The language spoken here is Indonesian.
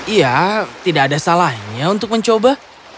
iya tidak ada salahnya untuk mencoba